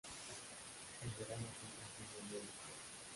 El verano ofrece un clima muy diferente.